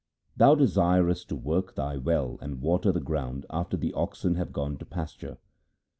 Thou desirest to work thy well and water the ground after the oxen have gone to pasture.